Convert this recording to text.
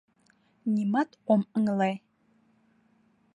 Нимат ом ыҥле.